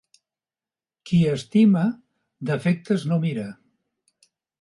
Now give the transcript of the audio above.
Qui estima, defectes no mira.